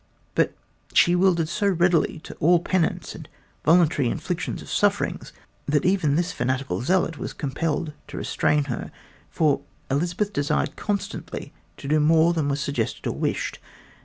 But she yielded so readily to all penances and voluntary inflictions of sufferings that even this fanatical zealot was compelled to restrain her, for Elizabeth desired constantly to do more than he suggested or wished.